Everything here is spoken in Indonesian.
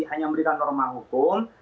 hanya memberikan norma hukum